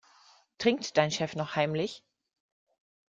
Trinkt dein Chef noch heimlich?